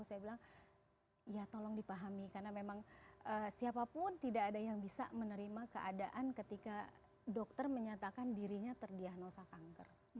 saya bilang ya tolong dipahami karena memang siapapun tidak ada yang bisa menerima keadaan ketika dokter menyatakan dirinya terdiagnosa kanker